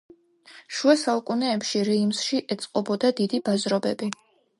შუა საუკუნეებში რეიმსში ეწყობოდა დიდი ბაზრობები.